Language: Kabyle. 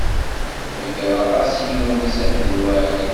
Ḍeyyreɣ-as yiwen i Si Ḥmed Waɛli.